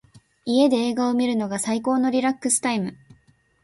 家で映画を観るのが最高のリラックスタイム。